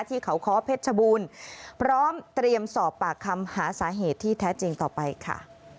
ที่เขาค้อเพชรชบูรณ์พร้อมเตรียมสอบปากคำหาสาเหตุที่แท้จริงต่อไปค่ะ